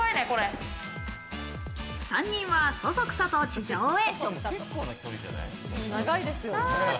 ３人はそそくさと地上へ。